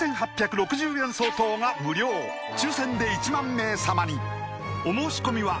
４８６０円相当が無料抽選で１万名様にお申し込みは